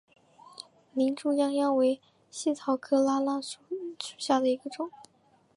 林猪殃殃为茜草科拉拉藤属下的一个种。